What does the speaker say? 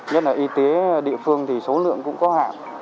nhất là y tế địa phương thì số lượng cũng có hạn